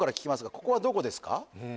ここはどこですか？